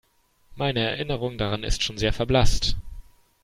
Meine Erinnerung daran ist schon sehr verblasst.